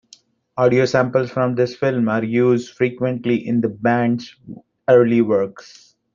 Audio samples from this film are used frequently in the band's early works.